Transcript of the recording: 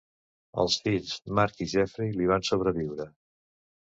Els fills Marc i Jeffrey li van sobreviure.